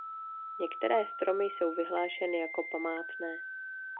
Některé stromy jsou vyhlášeny jako památné.